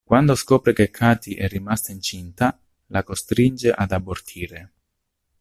Quando scopre che Katie è rimasta incinta, la costringe ad abortire.